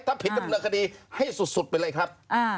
ถ้าผิดดำเนินคดีให้สุดไปเลยครับ